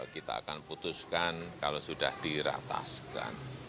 jadi kita akan putuskan kalau sudah dirataskan